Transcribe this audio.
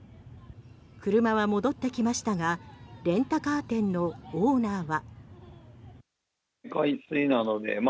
車は戻ってきましたがレンタカー店のオーナーは。